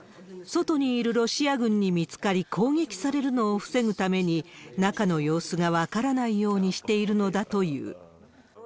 外にいるロシア軍に見つかり、攻撃されるのを防ぐために、中の様子が分からないようにしているのだという。